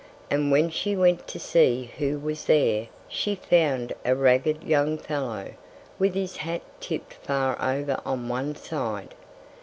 And when she went to see who was there, she found a ragged young fellow, with his hat tipped far over on one side.